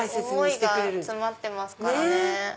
思いが詰まってますからね。